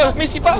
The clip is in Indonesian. pak misi pak